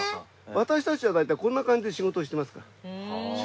私たちは大体こんな感じで仕事してますから。